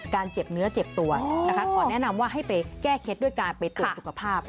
เจ็บเนื้อเจ็บตัวนะคะขอแนะนำว่าให้ไปแก้เคล็ดด้วยการไปตรวจสุขภาพ